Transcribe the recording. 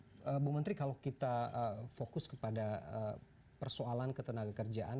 oke bu menteri kalau kita fokus kepada persoalan ketenagakerjaan